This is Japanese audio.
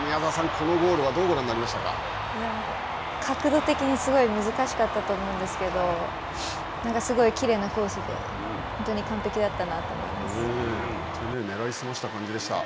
このゴールはどうご覧になりましいや、角度的にすごい難しかったと思うんですけど、すごいきれいなコースで本当に完璧だったな狙い澄ました感じでした。